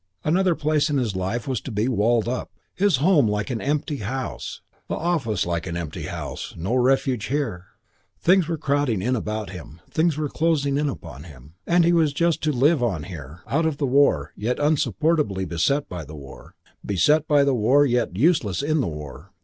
Another place of his life was to be walled up. His home like an empty house; the office like an empty house; now no refuge here. Things were crowding in about him, things were closing in upon him. And he was just to live on here, out of the war, yet insupportably beset by the war. Beset by the war yet useless in the war.